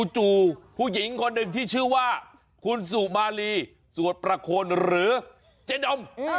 จู่ผู้หญิงคนหนึ่งที่ชื่อว่าคุณสุมารีสวดประโคนหรือเจ๊ดม